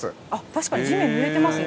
確かに地面ぬれてますね。